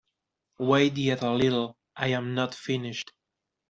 Wait yet a little. I am not finished.